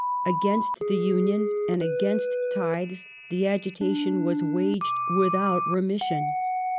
Against the Union and against tithes the agitation was waged without remission.